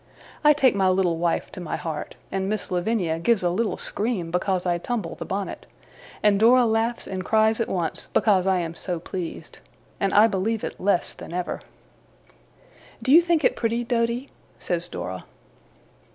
I take my little wife to my heart; and Miss Lavinia gives a little scream because I tumble the bonnet, and Dora laughs and cries at once, because I am so pleased; and I believe it less than ever. 'Do you think it pretty, Doady?' says Dora.